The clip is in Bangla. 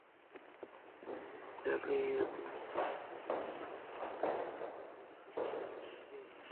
এখানে জ্বালানির অনিশ্চয়তা আছে, অবকাঠামোতে নানা ঘাটতি, বাড়ছে ব্যবসা পরিচালনা করার ব্যয়।